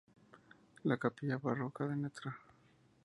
La Capilla barroca de Ntra.